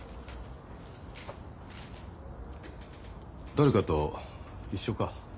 誰かと一緒か？